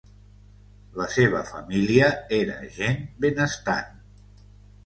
La seva família era gent benestant.